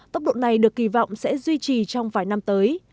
tốc độ này được kỳ vọng sẽ duy trì trong vài năm tới